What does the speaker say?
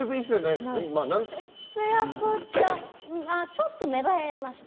ちょっと芽生えました。